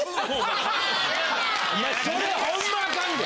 お前それホンマあかんで！